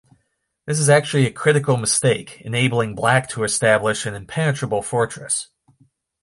This is actually a critical mistake, enabling Black to establish an impenetrable fortress.